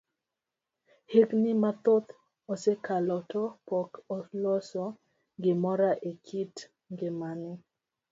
Higni mathoth osekalo to pok oloso gimoro e kit ngimane.